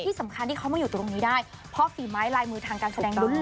ที่สำคัญที่เขามาอยู่ตรงนี้ได้เพราะฝีไม้ลายมือทางการแสดงดู